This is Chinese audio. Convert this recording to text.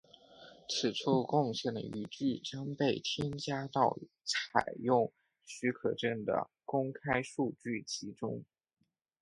此处贡献的语句将被添加到采用许可证的公开数据集中。